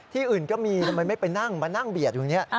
อื่นก็มีทำไมไม่ไปนั่งมานั่งเบียดตรงนี้